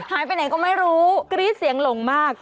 หายไปไหนก็ไม่รู้กรี๊ดเสียงหลงมาก